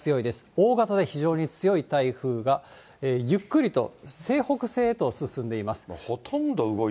大型で非常に強い台風が、ゆっくりと西北西へと進んでいます。